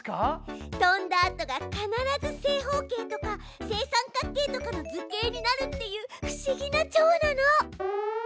飛んだあとが必ず正方形とか正三角形とかの図形になるっていう不思議なチョウなの！